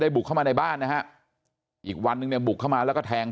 บุกเข้ามาในบ้านนะฮะอีกวันนึงเนี่ยบุกเข้ามาแล้วก็แทง